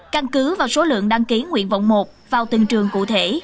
căn cứ vào số lượng đăng ký nguyện vọng một vào từng trường cụ thể